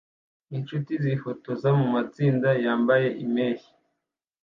Inshuti zifotoza mumatsinda yambaye impeshyi